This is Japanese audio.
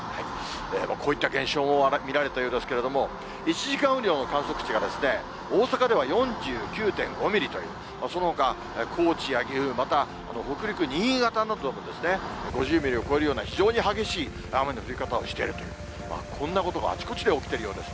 こういった現象も見られたようですけれども、１時間雨量の観測値が大阪では４９．５ミリという、そのほか、高知や岐阜、また北陸、新潟などでも５０ミリを超えるような非常に激しい雨の降り方をしているという、こんなことがあちこちで起きてるようです。